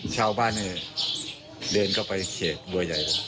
ชาวบ้านแยกเบนกลอกไปเขตบัวใหญ่